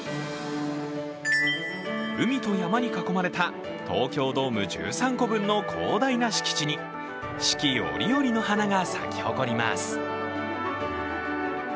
海と山に囲まれた東京ドーム１３個分の広大な敷地に四季折々の花が咲き誇ります。